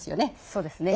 そうですね。